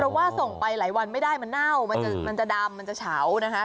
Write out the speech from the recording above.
เพราะว่าส่งไปหลายวันไม่ได้มันเน่ามันจะดำมันจะเฉานะคะ